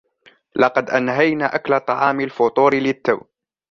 لقد أنهينا أكل طعام الفطور للتو.